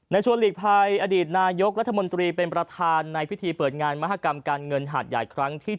ชวนหลีกภัยอดีตนายกรัฐมนตรีเป็นประธานในพิธีเปิดงานมหากรรมการเงินหาดใหญ่ครั้งที่๗